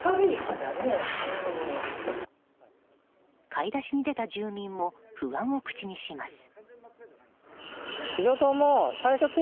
買い出しに出た住民も不安を口にします。